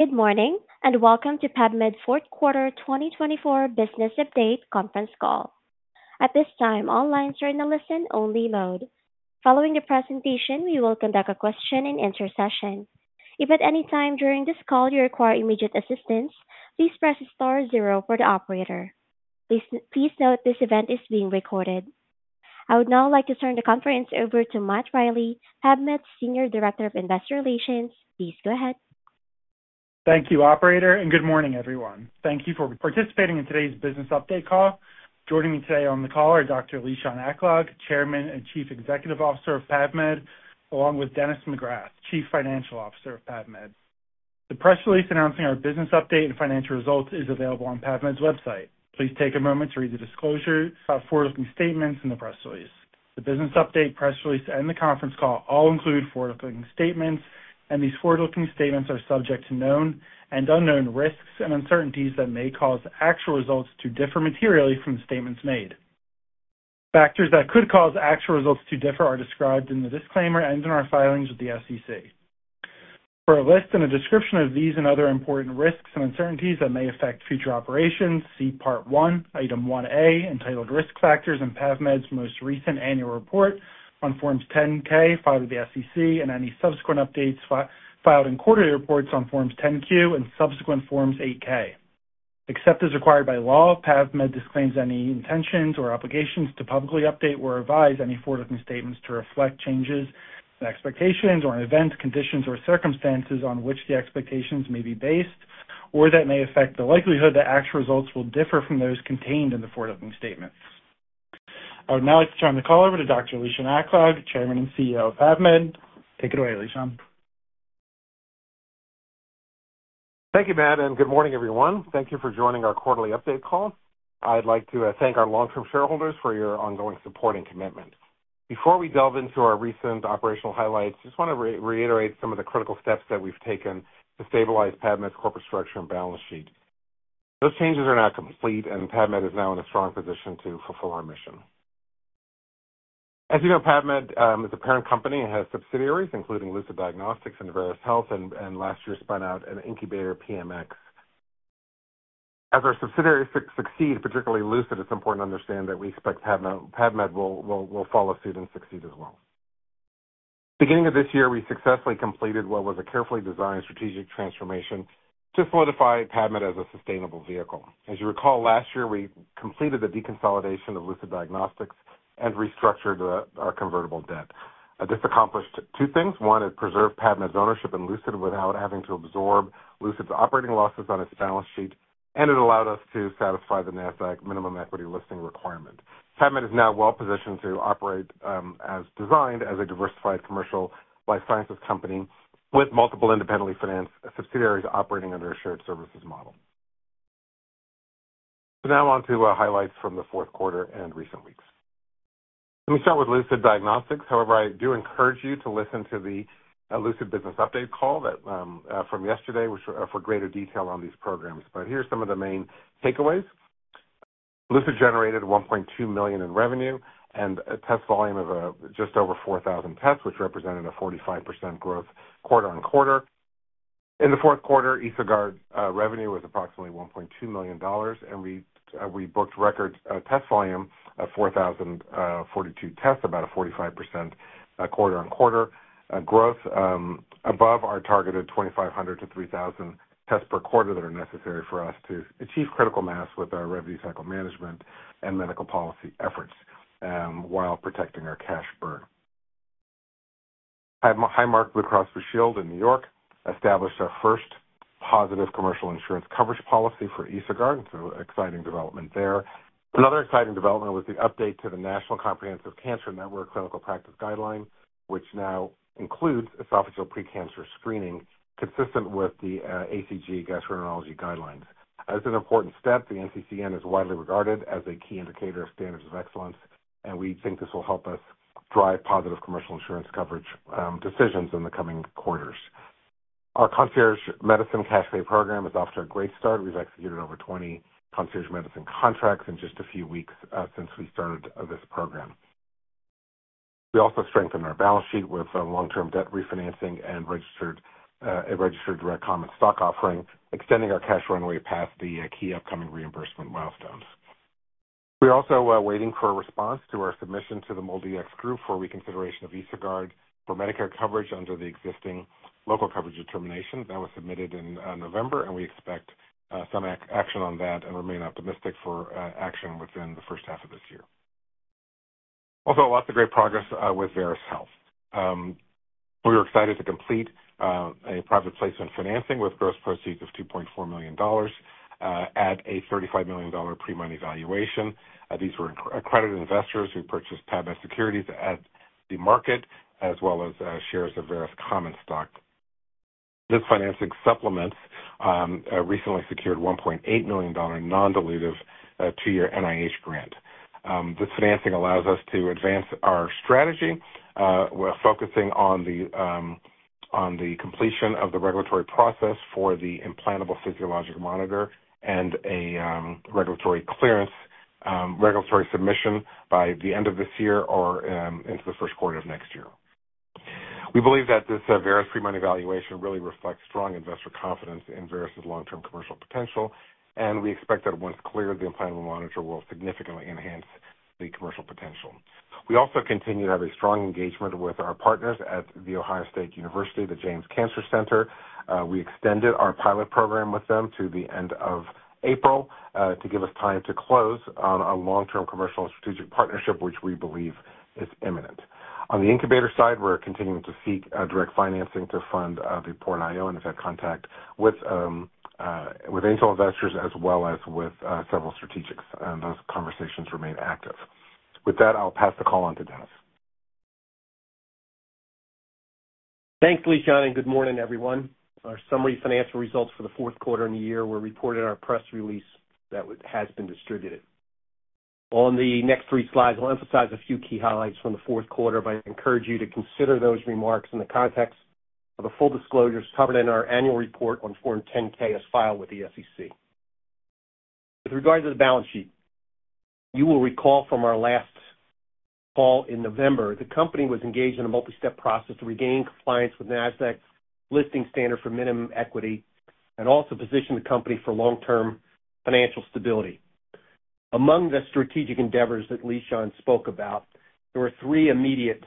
Good morning and welcome to PAVmed Q4 2024 Business Update Conference Call. At this time, all lines are in a listen-only mode. Following the presentation, we will conduct a question and answer session. If at any time during this call you require immediate assistance, please press star zero for the operator. Please note this event is being recorded. I would now like to turn the conference over to Matt Riley, PAVmed Senior Director of Investor Relations. Please go ahead. Thank you, Operator, and good morning, everyone. Thank you for participating in today's Business Update Call. Joining me today on the call are Dr. Lishan Aklog, Chairman and Chief Executive Officer of PAVmed, along with Dennis McGrath, Chief Financial Officer of PAVmed. The press release announcing our business update and financial results is available on PAVmed's website. Please take a moment to read the disclosure, forward-looking statements, and the press release. The business update, press release, and the conference call all include forward-looking statements, and these forward-looking statements are subject to known and unknown risks and uncertainties that may cause actual results to differ materially from the statements made. Factors that could cause actual results to differ are described in the disclaimer and in our filings with the SEC. For a list and a description of these and other important risks and uncertainties that may affect future operations, see Part 1, Item 1-A, entitled Risk Factors in PAVmed's most recent annual report on Forms 10-K filed with the SEC and any subsequent updates filed in quarterly reports on Forms 10-Q and subsequent Forms 8-K. Except as required by law, PAVmed disclaims any intentions or obligations to publicly update or advise any forward-looking statements to reflect changes in expectations or events, conditions, or circumstances on which the expectations may be based or that may affect the likelihood that actual results will differ from those contained in the forward-looking statements. I would now like to turn the call over to Dr. Lishan Aklog, Chairman and CEO of PAVmed. Take it away, Lishan. Thank you, Matt, and good morning, everyone. Thank you for joining our quarterly update call. I'd like to thank our long-term shareholders for your ongoing support and commitment. Before we delve into our recent operational highlights, I just want to reiterate some of the critical steps that we've taken to stabilize PAVmed's corporate structure and balance sheet. Those changes are now complete, and PAVmed is now in a strong position to fulfill our mission. As you know, PAVmed is a parent company and has subsidiaries, including Lucid Diagnostics and Veris Health, and last year spun out an incubator, PMX. As our subsidiaries succeed, particularly Lucid, it's important to understand that we expect PAVmed will follow suit and succeed as well. Beginning of this year, we successfully completed what was a carefully designed strategic transformation to solidify PAVmed as a sustainable vehicle. As you recall, last year we completed the deconsolidation of Lucid Diagnostics and restructured our convertible debt. This accomplished two things. One is preserved PAVmed's ownership in Lucid without having to absorb Lucid's operating losses on its balance sheet, and it allowed us to satisfy the NASDAQ minimum equity listing requirement. PAVmed is now well positioned to operate as designed as a diversified commercial life sciences company with multiple independently financed subsidiaries operating under a shared services model. Now on to highlights from the fourth quarter and recent weeks. Let me start with Lucid Diagnostics. However, I do encourage you to listen to the Lucid Business Update Call from yesterday for greater detail on these programs. Here are some of the main takeaways. Lucid generated $1.2 million in revenue and a test volume of just over 4,000 tests, which represented a 45% growth quarter on quarter. In the fourth quarter, EsoGuard revenue was approximately $1.2 million, and we booked record test volume of 4,042 tests, about a 45% quarter-on-quarter growth, above our targeted 2,500-3,000 tests per quarter that are necessary for us to achieve critical mass with our revenue cycle management and medical policy efforts while protecting our cash burn. Highmark Blue Cross Blue Shield in New York, established our first positive commercial insurance coverage policy for EsoGuard, so exciting development there. Another exciting development was the update to the National Comprehensive Cancer Network Clinical Practice Guideline, which now includes esophageal precancer screening consistent with the ACG gastroenterology guidelines. As an important step, the NCCN is widely regarded as a key indicator of standards of excellence, and we think this will help us drive positive commercial insurance coverage decisions in the coming quarters. Our concierge medicine cash pay program is off to a great start. We've executed over 20 concierge medicine contracts in just a few weeks since we started this program. We also strengthened our balance sheet with long-term debt refinancing and a registered direct common stock offering, extending our cash runway past the key upcoming reimbursement milestones. We are also waiting for a response to our submission to the MolDX group for reconsideration of EsoGuard for Medicare coverage under the existing local coverage determination that was submitted in November, and we expect some action on that and remain optimistic for action within the first half of this year. Also, lots of great progress with Veris Health. We were excited to complete a private placement financing with gross proceeds of $2.4 million at a $35 million pre-money valuation. These were accredited investors who purchased PAVmed securities at the market, as well as shares of Veris common stock. This financing supplements a recently secured $1.8 million non-dilutive two-year NIH grant. This financing allows us to advance our strategy while focusing on the completion of the regulatory process for the implantable physiologic monitor and a regulatory submission by the end of this year or into the first quarter of next year. We believe that this Veris pre-money valuation really reflects strong investor confidence in Veris' long-term commercial potential, and we expect that once cleared, the implantable monitor will significantly enhance the commercial potential. We also continue to have a strong engagement with our partners at Ohio State University, the James Cancer Center. We extended our pilot program with them to the end of April to give us time to close on a long-term commercial strategic partnership, which we believe is imminent. On the incubator side, we're continuing to seek direct financing to fund the PortIO and have had contact with angel investors as well as with several strategics, and those conversations remain active. With that, I'll pass the call on to Dennis. Thanks, Lishan, and good morning, everyone. Our summary financial results for the fourth quarter and year were reported in our press release that has been distributed. On the next three slides, I'll emphasize a few key highlights from the fourth quarter, but I encourage you to consider those remarks in the context of the full disclosures covered in our annual report on Form 10-K as filed with the SEC. With regard to the balance sheet, you will recall from our last call in November, the company was engaged in a multi-step process to regain compliance with NASDAQ listing standard for minimum equity and also position the company for long-term financial stability. Among the strategic endeavors that Lishan spoke about, there were three immediate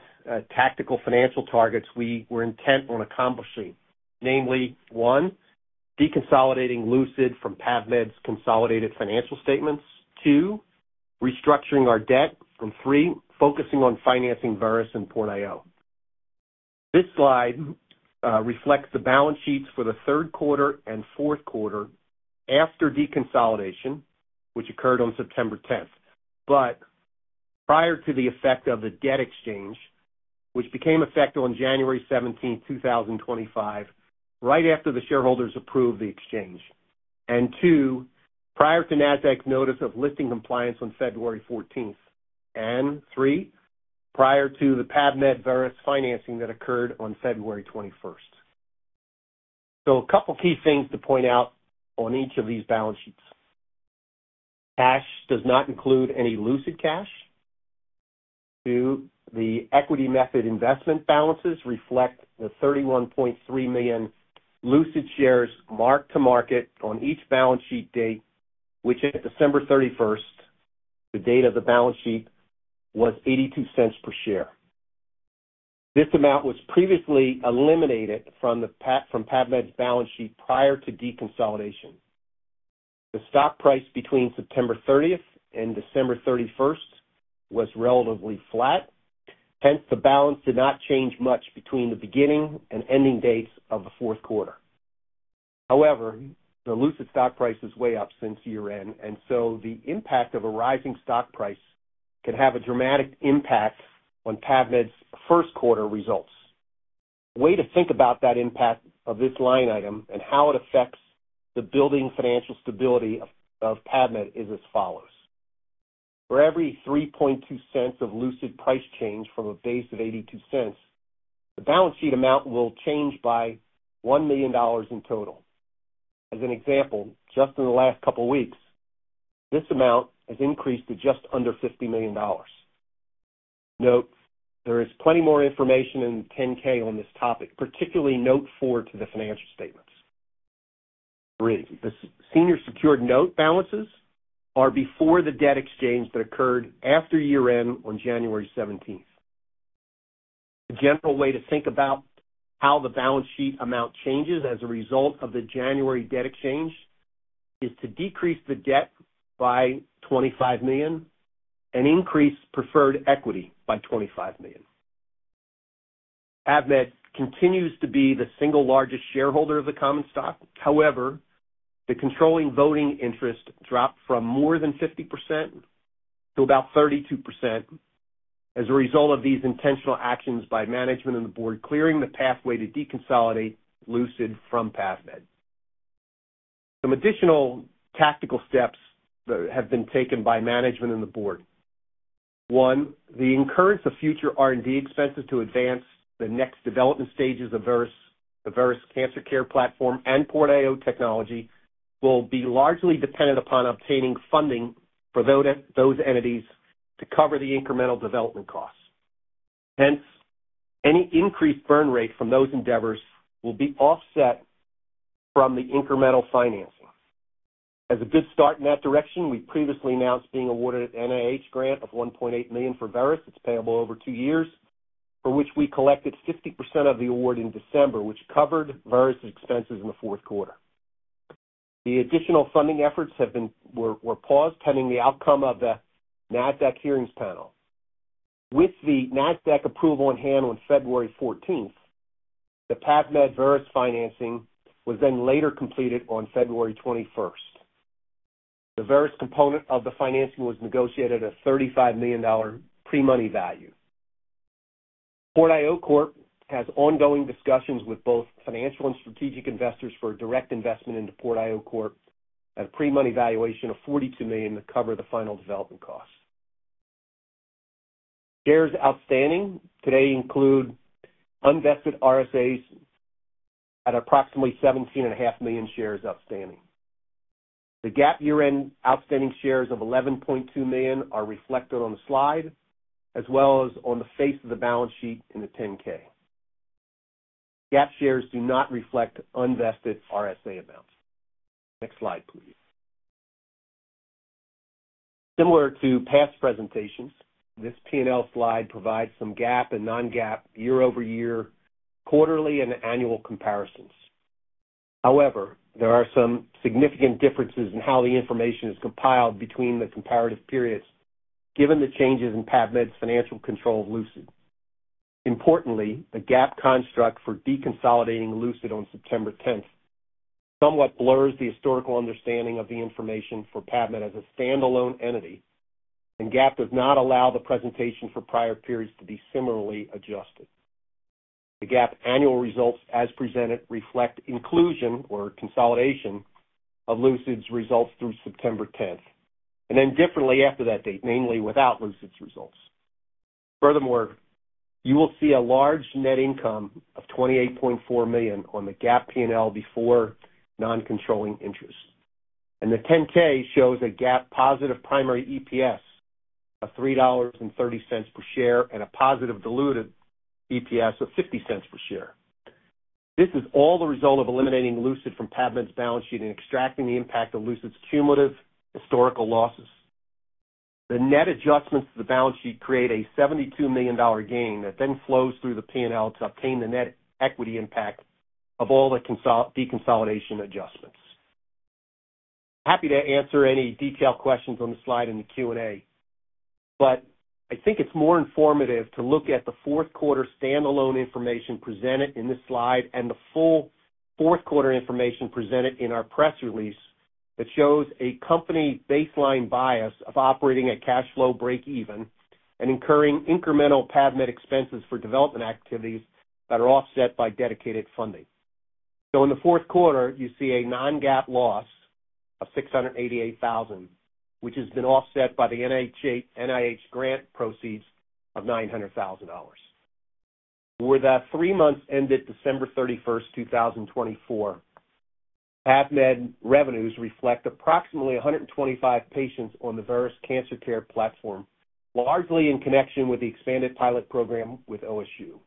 tactical financial targets we were intent on accomplishing, namely; one, deconsolidating Lucid from PAVmed's consolidated financial statements; two, restructuring our debt; and three, focusing on financing Veris and PortIO. This slide reflects the balance sheets for the third quarter and fourth quarter after deconsolidation, which occurred on September 10, but prior to the effect of the debt exchange, which became effective on January 17, 2025, right after the shareholders approved the exchange; and two, prior to NASDAQ's notice of listing compliance on February 14; and three, prior to the PAVmed/Veris financing that occurred on February 21. A couple of key things to point out on each of these balance sheets. Cash does not include any Lucid cash. Two, the equity method investment balances reflect the 31.3 million Lucid shares marked to market on each balance sheet date, which at December 31, the date of the balance sheet, was $0.82 per share. This amount was previously eliminated from PAVmed's balance sheet prior to deconsolidation. The stock price between September 30 and December 31 was relatively flat; hence, the balance did not change much between the beginning and ending dates of the fourth quarter. However, the Lucid stock price is way up since year-end, and the impact of a rising stock price can have a dramatic impact on PAVmed's first quarter results. The way to think about that impact of this line item and how it affects the building financial stability of PAVmed is as follows. For every $0.032 of Lucid price change from a base of $0.82, the balance sheet amount will change by $1 million in total. As an example, just in the last couple of weeks, this amount has increased to just under $50 million. Note, there is plenty more information in the 10-K on this topic, particularly note four to the financial statements. Three, the senior secured note balances are before the debt exchange that occurred after year-end on January 17. The general way to think about how the balance sheet amount changes as a result of the January debt exchange is to decrease the debt by $25 million and increase preferred equity by $25 million. PAVmed continues to be the single largest shareholder of the common stock. However, the controlling voting interest dropped from more than 50% to about 32% as a result of these intentional actions by management and the board clearing the pathway to deconsolidate Lucid from PAVmed. Some additional tactical steps that have been taken by management and the board. One, the incurrence of future R&D expenses to advance the next development stages of Veris, Veris Cancer Care Platform, and PortIO technology will be largely dependent upon obtaining funding for those entities to cover the incremental development costs. Hence, any increased burn rate from those endeavors will be offset from the incremental financing. As a good start in that direction, we previously announced being awarded an NIH grant of $1.8 million for Veris. It's payable over two years, for which we collected 50% of the award in December, which covered Veris' expenses in the fourth quarter. The additional funding efforts have been paused pending the outcome of the NASDAQ hearings panel. With the NASDAQ approval on hand on February 14th, the PAVmed/Veris financing was then later completed on February 21st. The Veris component of the financing was negotiated at a $35 million pre-money value. PortIO Corp has ongoing discussions with both financial and strategic investors for a direct investment into PortIO Corp at a pre-money valuation of $42 million to cover the final development costs. Shares outstanding today include unvested RSAs at approximately 17.5 million shares outstanding. The GAAP year-end outstanding shares of 11.2 million are reflected on the slide, as well as on the face of the balance sheet in the 10-K. GAAP shares do not reflect unvested RSA amounts. Next slide, please. Similar to past presentations, this P&L slide provides some GAAP and non-GAAP year-over-year, quarterly, and annual comparisons. However, there are some significant differences in how the information is compiled between the comparative periods, given the changes in PAVmed's financial control of Lucid. Importantly, the GAAP construct for deconsolidating Lucid on September 10th somewhat blurs the historical understanding of the information for PAVmed as a standalone entity, and GAAP does not allow the presentation for prior periods to be similarly adjusted. The GAAP annual results as presented reflect inclusion or consolidation of Lucid's results through September 10th, and then differently after that date, namely without Lucid's results. Furthermore, you will see a large net income of $28.4 million on the GAAP P&L before non-controlling interest. The 10K shows a GAAP positive primary EPS of $3.30 per share and a positive diluted EPS of $0.50 per share. This is all the result of eliminating Lucid from PAVmed's balance sheet and extracting the impact of Lucid's cumulative historical losses. The net adjustments to the balance sheet create a $72 million gain that then flows through the P&L to obtain the net equity impact of all the deconsolidation adjustments. Happy to answer any detailed questions on the slide in the Q&A, but I think it's more informative to look at the fourth quarter standalone information presented in this slide and the full fourth quarter information presented in our press release that shows a company baseline bias of operating at cash flow break-even and incurring incremental PAVmed expenses for development activities that are offset by dedicated funding. In the fourth quarter, you see a non-GAAP loss of $688,000, which has been offset by the NIH grant proceeds of $900,000. With that, three months ended December 31, 2024, PAVmed revenues reflect approximately 125 patients on the Veris Cancer Care Platform, largely in connection with the expanded pilot program with Ohio State University.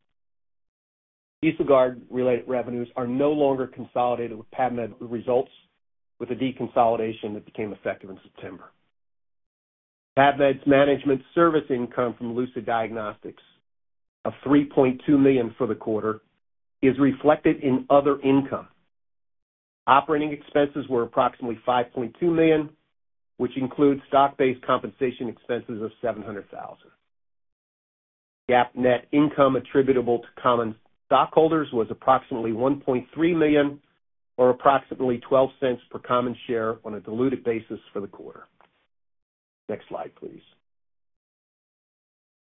EsoGuard-related revenues are no longer consolidated with PAVmed results with the deconsolidation that became effective in September. PAVmed's management service income from Lucid Diagnostics of $3.2 million for the quarter is reflected in other income. Operating expenses were approximately $5.2 million, which includes stock-based compensation expenses of $700,000. GAAP net income attributable to common stockholders was approximately $1.3 million or approximately $0.12 per common share on a diluted basis for the quarter. Next slide, please.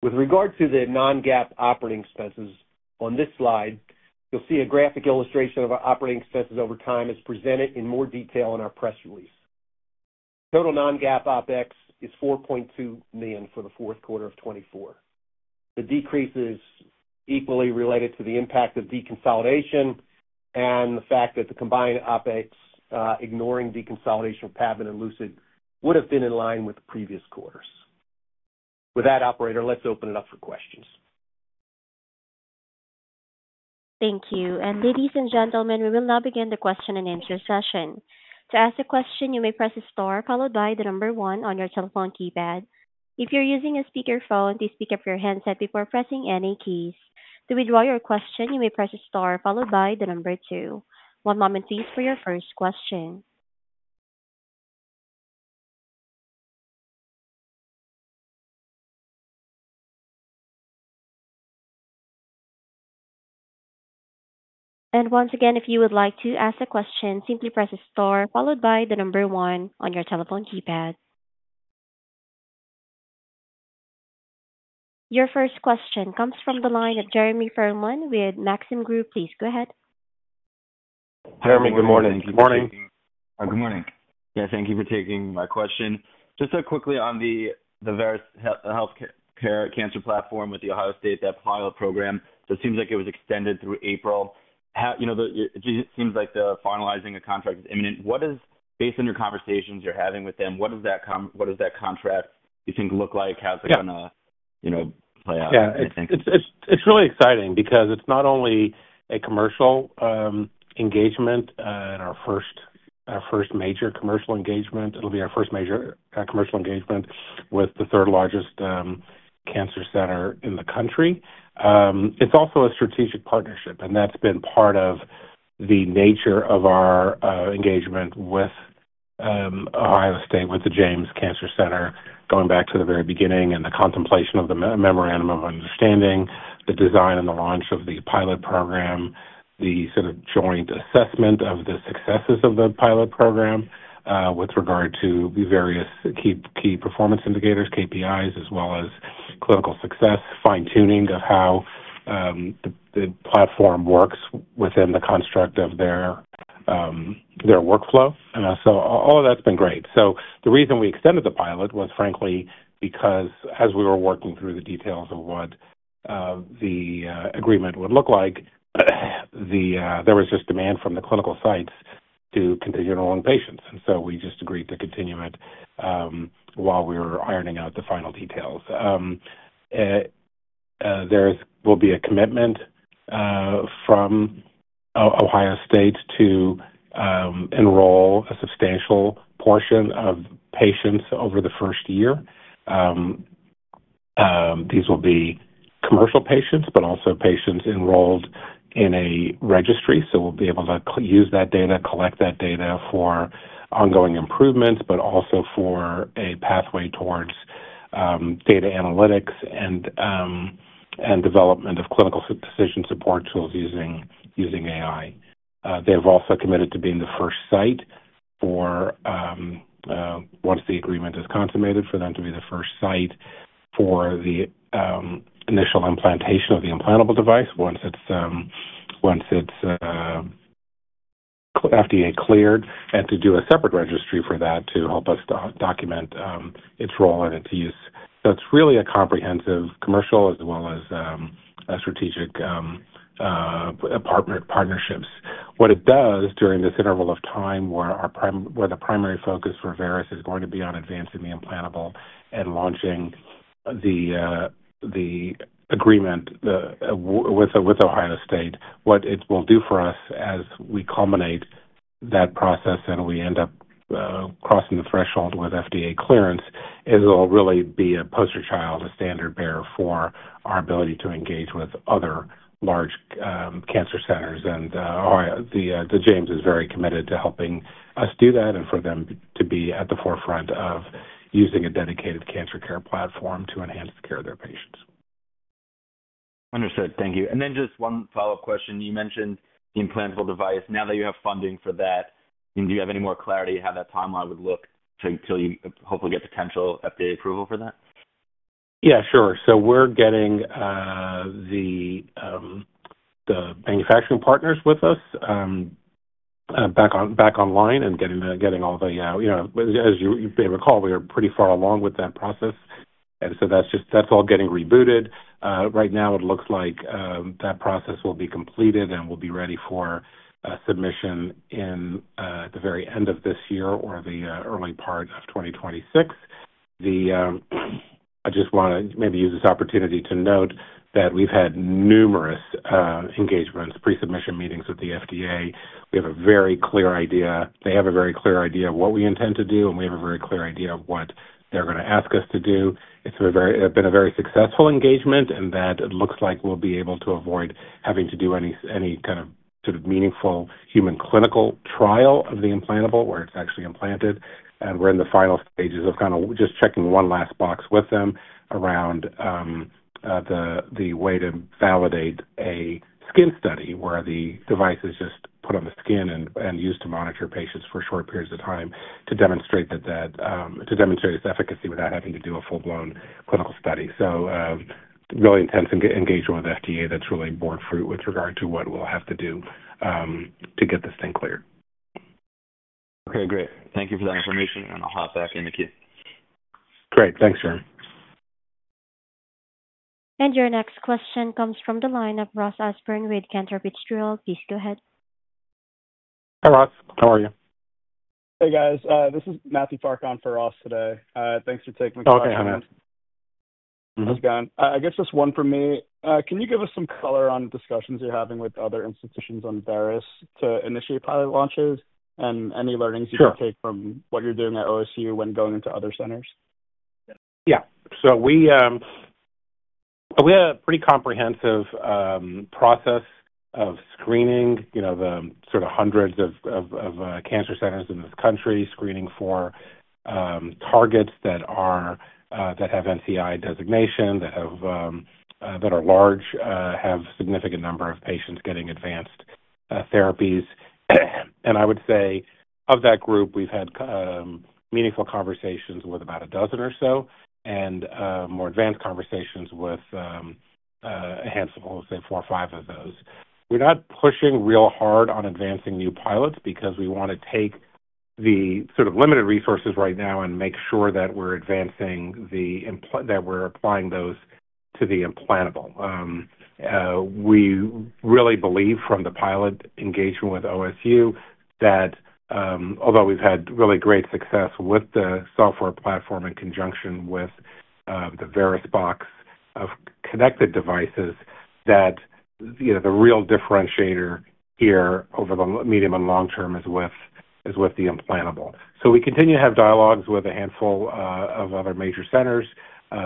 With regard to the non-GAAP operating expenses, on this slide, you'll see a graphic illustration of our operating expenses over time as presented in more detail in our press release. Total non-GAAP OpEx is $4.2 million for the fourth quarter of 2024. The decrease is equally related to the impact of deconsolidation and the fact that the combined OpEx ignoring deconsolidation of PAVmed and Lucid would have been in line with the previous quarters. With that, operator, let's open it up for questions. Thank you. Ladies and gentlemen, we will now begin the question and answer session. To ask a question, you may press star followed by the number one on your telephone keypad. If you're using a speakerphone, please pick up your headset before pressing any keys. To withdraw your question, you may press star followed by the number two. One moment, please, for your first question. If you would like to ask a question, simply press star followed by the number one on your telephone keypad. Your first question comes from the line of Jeremy Pearlman with Maxim Group. Please go ahead. Jeremy, good morning. Good morning. Good morning. Yeah, thank you for taking my question. Just quickly on the Veris Cancer Care Platform with the Ohio State pilot program, it seems like it was extended through April. It seems like the finalizing of the contract is imminent. What is, based on your conversations you're having with them, what does that contract, you think, look like? How's it going to play out? Yeah, it's really exciting because it's not only a commercial engagement, our first major commercial engagement. It'll be our first major commercial engagement with the third largest cancer center in the country. It's also a strategic partnership, and that's been part of the nature of our engagement with Ohio State, with the James Cancer Center, going back to the very beginning and the contemplation of the memorandum of understanding, the design and the launch of the pilot program, the sort of joint assessment of the successes of the pilot program with regard to the various key performance indicators, KPIs, as well as clinical success, fine-tuning of how the platform works within the construct of their workflow. All of that's been great. The reason we extended the pilot was, frankly, because as we were working through the details of what the agreement would look like, there was just demand from the clinical sites to continue enrolling patients. We just agreed to continue it while we were ironing out the final details. There will be a commitment from Ohio State to enroll a substantial portion of patients over the first year. These will be commercial patients, but also patients enrolled in a registry. We will be able to use that data, collect that data for ongoing improvements, but also for a pathway towards data analytics and development of clinical decision support tools using AI. They've also committed to being the first site for, once the agreement is consummated, for them to be the first site for the initial implantation of the implantable device once it's FDA cleared and to do a separate registry for that to help us document its role and its use. It is really a comprehensive commercial as well as strategic partnerships. What it does during this interval of time where the primary focus for Veris is going to be on advancing the implantable and launching the agreement with Ohio State, what it will do for us as we culminate that process and we end up crossing the threshold with FDA clearance is it'll really be a poster child, a standard bearer for our ability to engage with other large cancer centers. The James is very committed to helping us do that and for them to be at the forefront of using a dedicated cancer care platform to enhance the care of their patients. Understood. Thank you. Just one follow-up question. You mentioned the implantable device. Now that you have funding for that, do you have any more clarity on how that timeline would look until you hopefully get potential FDA approval for that? Yeah, sure. We're getting the manufacturing partners with us back online and getting all the, as you may recall, we are pretty far along with that process. That's all getting rebooted. Right now, it looks like that process will be completed and will be ready for submission at the very end of this year or the early part of 2026. I just want to maybe use this opportunity to note that we've had numerous engagements, pre-submission meetings with the FDA. We have a very clear idea. They have a very clear idea of what we intend to do, and we have a very clear idea of what they're going to ask us to do. It's been a very successful engagement, and that looks like we'll be able to avoid having to do any kind of sort of meaningful human clinical trial of the implantable where it's actually implanted. We're in the final stages of kind of just checking one last box with them around the way to validate a skin study where the device is just put on the skin and used to monitor patients for short periods of time to demonstrate its efficacy without having to do a full-blown clinical study. Really intense engagement with FDA that's really born fruit with regard to what we'll have to do to get this thing clear. Okay, great. Thank you for that information, and I'll hop back in with you. Great. Thanks, Jeremy. Your next question comes from the line of Ross Osborn with Cantor Fitzgerald. Please go ahead. Hi, Ross. How are you? Hey, guys. This is Matthew Park for Ross today. Thanks for taking the time to comment. Okay. That's good. I guess just one for me. Can you give us some color on discussions you're having with other institutions on Veris to initiate pilot launches and any learnings you can take from what you're doing at OSU when going into other centers? Yeah. We have a pretty comprehensive process of screening, the sort of hundreds of cancer centers in this country, screening for targets that have NCI designation, that are large, have a significant number of patients getting advanced therapies. I would say of that group, we've had meaningful conversations with about a dozen or so and more advanced conversations with a handful, say, four or five of those. We're not pushing real hard on advancing new pilots because we want to take the sort of limited resources right now and make sure that we're applying those to the implantable. We really believe from the pilot engagement with OSU that although we've had really great success with the software platform in conjunction with the Veris box of connected devices, the real differentiator here over the medium and long term is with the implantable. We continue to have dialogues with a handful of other major centers.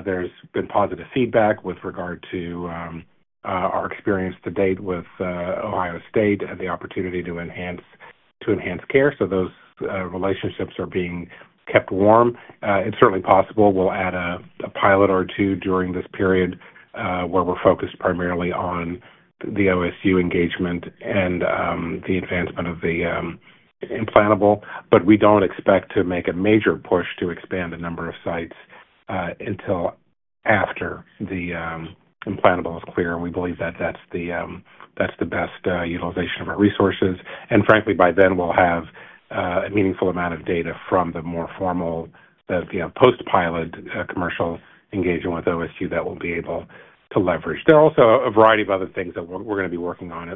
There has been positive feedback with regard to our experience to date with Ohio State and the opportunity to enhance care. Those relationships are being kept warm. It is certainly possible we will add a pilot or two during this period where we are focused primarily on the OSU engagement and the advancement of the implantable, but we do not expect to make a major push to expand the number of sites until after the implantable is clear. We believe that is the best utilization of our resources. Frankly, by then, we will have a meaningful amount of data from the more formal, post-pilot commercial engagement with OSU that we will be able to leverage. There are also a variety of other things that we are going to be working on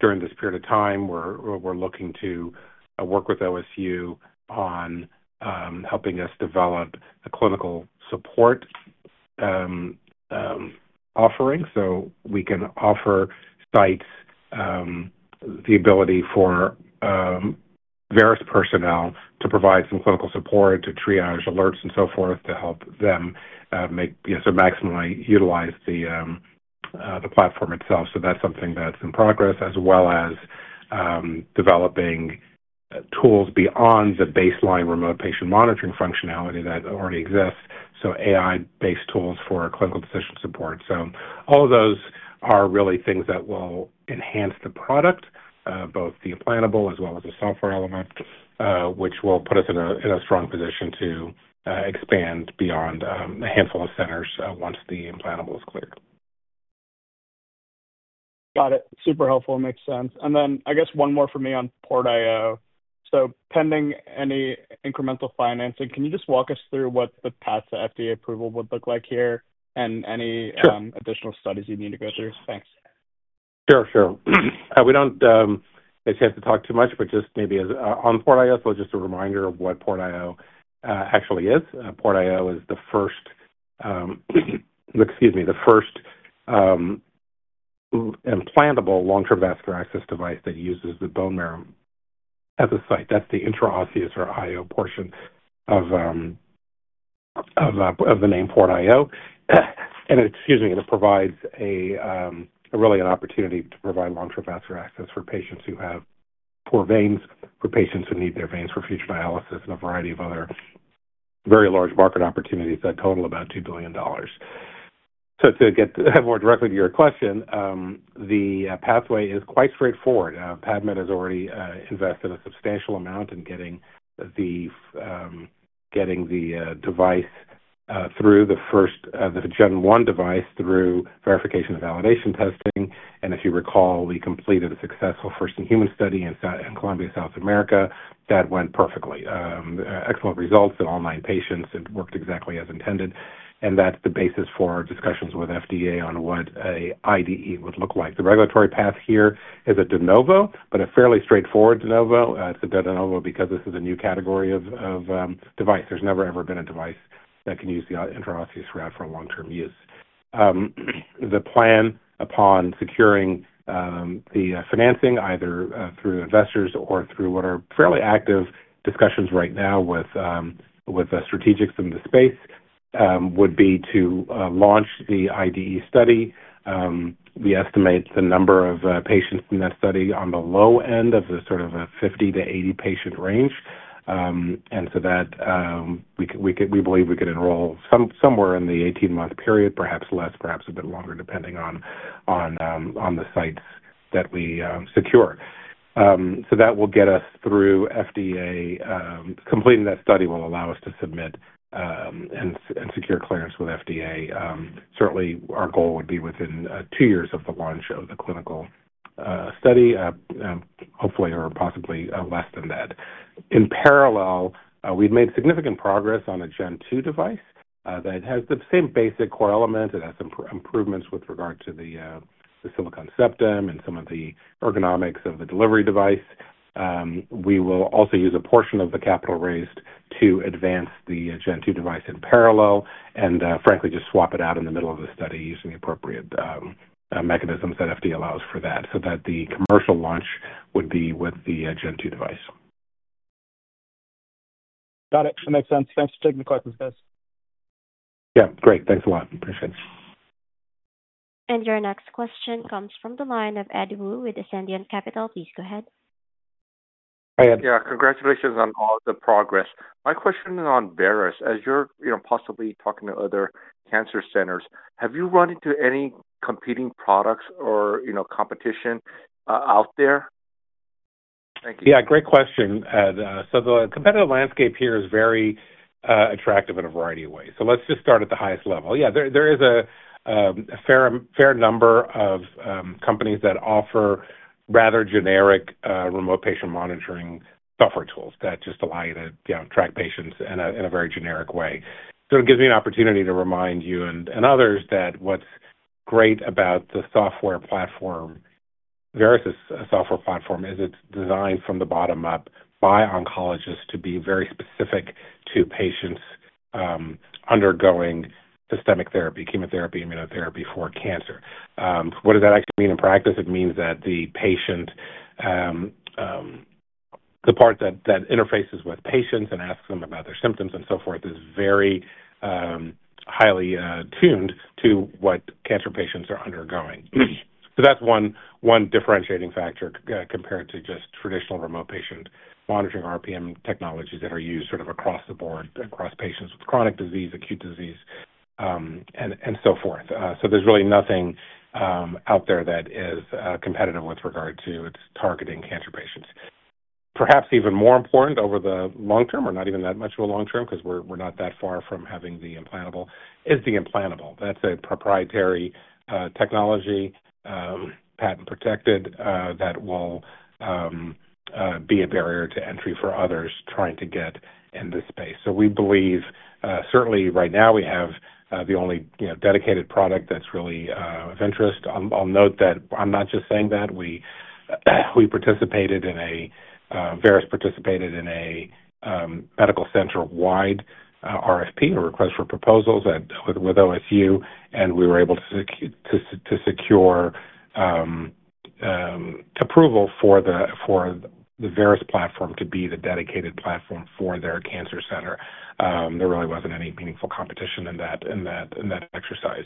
during this period of time. We're looking to work with Ohio State University on helping us develop a clinical support offering so we can offer sites the ability for Veris personnel to provide some clinical support, to triage alerts, and so forth to help them sort of maximally utilize the platform itself. That is something that is in progress, as well as developing tools beyond the baseline remote patient monitoring functionality that already exists, so AI-based tools for clinical decision support. All of those are really things that will enhance the product, both the implantable as well as the software element, which will put us in a strong position to expand beyond a handful of centers once the implantable is cleared. Got it. Super helpful. Makes sense. I guess one more for me on PortIO. Pending any incremental financing, can you just walk us through what the path to FDA approval would look like here and any additional studies you need to go through? Thanks. Sure, sure. We do not have to talk too much, but just maybe on PortIO, just a reminder of what PortIO actually is. PortIO is the first, excuse me, the first implantable long-term vascular access device that uses the bone marrow at the site. That is the intraosseous or I/O portion of the name PortIO. Excuse me, it provides really an opportunity to provide long-term vascular access for patients who have poor veins, for patients who need their veins for future dialysis, and a variety of other very large market opportunities that total about $2 billion. To get more directly to your question, the pathway is quite straightforward. PAVmed has already invested a substantial amount in getting the device through the first, the Gen 1 device through verification and validation testing. If you recall, we completed a successful first-in-human study in Colombia, South America. That went perfectly. Excellent results in all nine patients. It worked exactly as intended. That is the basis for our discussions with FDA on what an IDE would look like. The regulatory path here is a de novo, but a fairly straightforward de novo. It is a de novo because this is a new category of device. There has never ever been a device that can use the intraosseous route for long-term use. The plan upon securing the financing, either through investors or through what are fairly active discussions right now with the strategics in the space, would be to launch the IDE study. We estimate the number of patients in that study on the low end of the sort of 50 to 80 patient range. We believe we could enroll somewhere in the 18-month period, perhaps less, perhaps a bit longer, depending on the sites that we secure. That will get us through FDA. Completing that study will allow us to submit and secure clearance with FDA. Certainly, our goal would be within two years of the launch of the clinical study, hopefully, or possibly less than that. In parallel, we've made significant progress on a Gen 2 device that has the same basic core elements. It has some improvements with regard to the silicone septum and some of the ergonomics of the delivery device. We will also use a portion of the capital raised to advance the Gen 2 device in parallel and, frankly, just swap it out in the middle of the study using the appropriate mechanisms that FDA allows for that so that the commercial launch would be with the Gen 2 device. Got it. That makes sense. Thanks for taking the questions, guys. Yeah. Great. Thanks a lot. Appreciate it. Your next question comes from the line of Ed Woo with Ascendiant Capital. Please go ahead. Yeah. Congratulations on all of the progress. My question is on Veris. As you're possibly talking to other cancer centers, have you run into any competing products or competition out there? Thank you. Yeah. Great question, Ed. The competitive landscape here is very attractive in a variety of ways. Let's just start at the highest level. Yeah. There is a fair number of companies that offer rather generic remote patient monitoring software tools that just allow you to track patients in a very generic way. It gives me an opportunity to remind you and others that what's great about the software platform, Veris' software platform, is it's designed from the bottom up by oncologists to be very specific to patients undergoing systemic therapy, chemotherapy, immunotherapy for cancer. What does that actually mean in practice? It means that the part that interfaces with patients and asks them about their symptoms and so forth is very highly tuned to what cancer patients are undergoing. That is one differentiating factor compared to just traditional remote patient monitoring RPM technologies that are used sort of across the board, across patients with chronic disease, acute disease, and so forth. There is really nothing out there that is competitive with regard to its targeting cancer patients. Perhaps even more important over the long term, or not even that much of a long term because we are not that far from having the implantable, is the implantable. That is a proprietary technology, patent-protected, that will be a barrier to entry for others trying to get in this space. We believe, certainly right now, we have the only dedicated product that is really of interest. I will note that I am not just saying that. Veris participated in a medical center-wide RFP, a request for proposals, with Ohio State University, and we were able to secure approval for the Veris platform to be the dedicated platform for their cancer center. There really was not any meaningful competition in that exercise.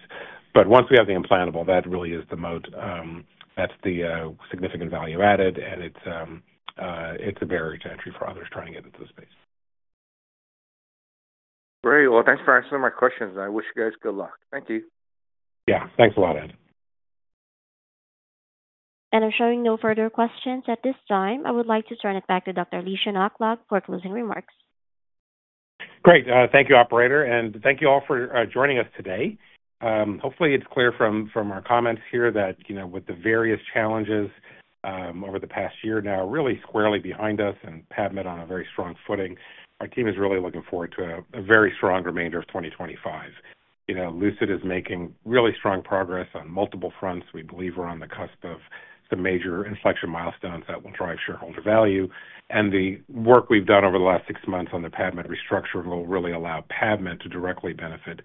Once we have the implantable, that really is the mode that is the significant value added, and it is a barrier to entry for others trying to get into the space. Very well. Thanks for answering my questions. I wish you guys good luck. Thank you. Yeah. Thanks a lot, Ed. If showing no further questions at this time, I would like to turn it back to Dr. Lishan Aklog for closing remarks. Great. Thank you, operator. Thank you all for joining us today. Hopefully, it's clear from our comments here that with the various challenges over the past year now really squarely behind us and PAVmed on a very strong footing, our team is really looking forward to a very strong remainder of 2025. Lucid is making really strong progress on multiple fronts. We believe we're on the cusp of some major inflection milestones that will drive shareholder value. The work we've done over the last six months on the PAVmed restructure will really allow PAVmed to directly benefit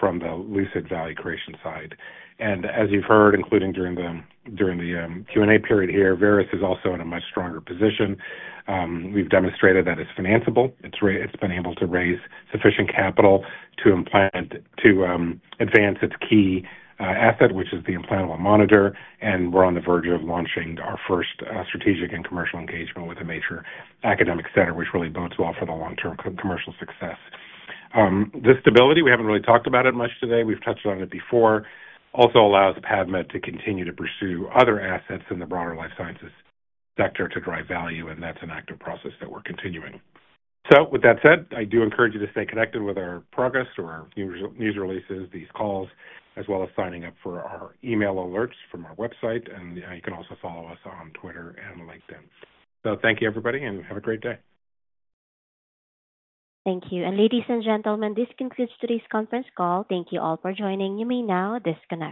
from the Lucid value creation side. As you've heard, including during the Q&A period here, Veris is also in a much stronger position. We've demonstrated that it's financeable. It's been able to raise sufficient capital to advance its key asset, which is the implantable monitor. We're on the verge of launching our first strategic and commercial engagement with a major academic center, which really bodes well for the long-term commercial success. The stability, we haven't really talked about it much today. We've touched on it before, also allows PAVmed to continue to pursue other assets in the broader life sciences sector to drive value. That's an active process that we're continuing. With that said, I do encourage you to stay connected with our progress through our news releases, these calls, as well as signing up for our email alerts from our website. You can also follow us on Twitter and LinkedIn. Thank you, everybody, and have a great day. Thank you. Ladies and gentlemen, this concludes today's conference call. Thank you all for joining. You may now disconnect.